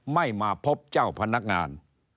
ไม่มาพบเจ้าพนักงาน